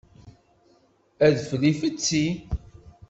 Adfel ifetti.